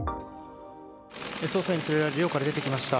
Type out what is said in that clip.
捜査員に連れられて寮から出てきました。